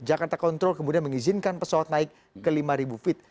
jakarta control kemudian mengizinkan pesawat naik ke lima feet